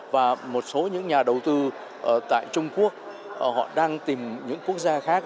và một số những nhà đầu tư tại trung quốc họ đang tìm những quốc gia khác